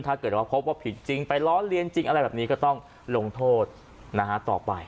ถ้าเกิดว่าพบว่าผิดจริงไปล้อเลียนจริงอะไรแบบนี้ก็ต้องลงโทษต่อไป